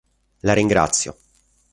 La ringrazio.